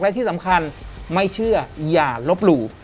และที่สำคัญไม่เชื่ออย่าลบหลู่